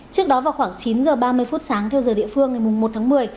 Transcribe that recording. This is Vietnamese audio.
trước đó vào khoảng chín h ba mươi phút sáng theo giờ địa phương ngày một tháng một mươi